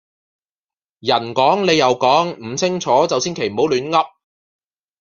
人講你又講唔清楚就千祈唔好亂噏